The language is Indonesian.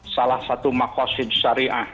salah satu makosid syariah